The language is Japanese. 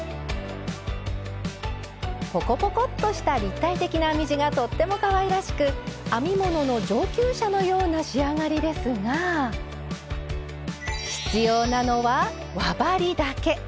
ポコポコッとした立体的な編み地がとってもかわいらしく編み物の上級者のような仕上がりですが必要なのは輪針だけ！